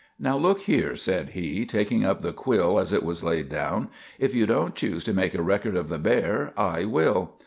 "Now look here," said he, taking up the quill as it was laid down; "if you don't choose to make a record of the bear, I will."